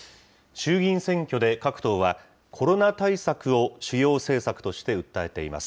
衆議院選挙で各党は、コロナ対策を主要政策として訴えています。